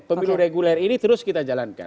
pemilu reguler ini terus kita jalankan